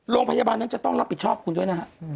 โรงพยาบาลนั้นจะต้องรับผิดชอบคุณด้วยนะฮะ